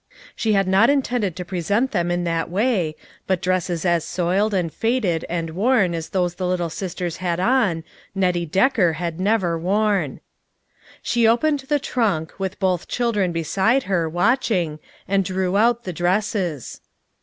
She had not intended to present them in that way, but dresses as soiled and faded and worn as those the little sisters had on, Nettie Decker had never worn. She opened the trunk, with both children be side her, watching, and drew out the dresses.